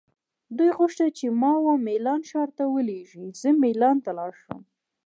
دوی غوښتل چې ما وه میلان ښار ته ولیږي، زه مېلان ته لاړ شم.